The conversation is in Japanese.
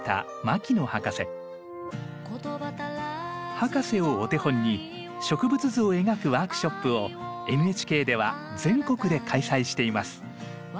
博士をお手本に植物図を描くワークショップをＮＨＫでは全国で開催しています。